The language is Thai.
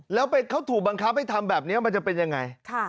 แล้วเขาถูกบังคับให้ทำแบบนี้มันจะเป็นยังไง